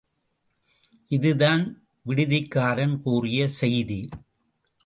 இதுதான் விடுதிக்காரன் கூறிய செய்தி.